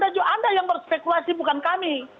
tapi anda yang berspekulasi bukan kami